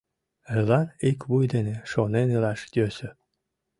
Эллан ик вуй дене шонен илаш йӧсӧ.